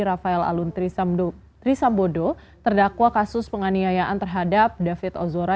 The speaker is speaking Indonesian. rafael alun trisambodo terdakwa kasus penganiayaan terhadap david ozora